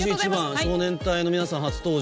少年隊の皆さん初登場。